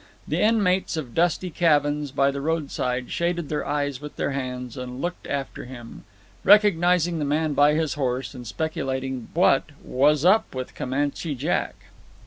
The inmates of dusty cabins by the roadside shaded their eyes with their hands and looked after him, recognizing the man by his horse, and speculating what "was up with Comanche Jack."